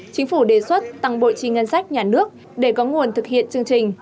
chính phủ đề xuất tăng bội trì ngân sách nhà nước để có nguồn thực hiện chương trình